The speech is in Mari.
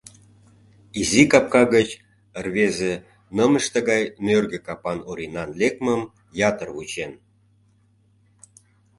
Изи капка гыч рвезе нымыште гай нӧргӧ капан Оринан лекмым ятыр вучен.